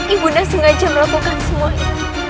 ibu nanda sengaja melakukan semuanya